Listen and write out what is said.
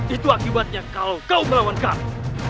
itu akibatnya kalau kau melawan kami